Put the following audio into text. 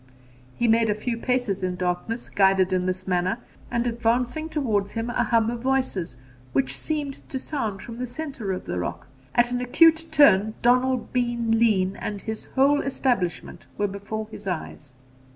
He made a few paces in darkness, guided in this manner; and advancing towards a hum of voices, which seemed to sound from the centre of the rock, at an acute turn Donald Bean Lean and his whole establishment were before his eyes.